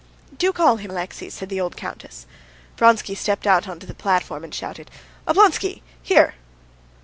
"Do call him, Alexey," said the old countess. Vronsky stepped out onto the platform and shouted: "Oblonsky! Here!"